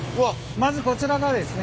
まずこちらがですね